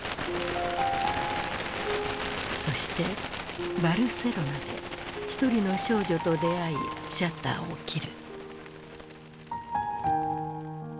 そしてバルセロナで一人の少女と出会いシャッターを切る。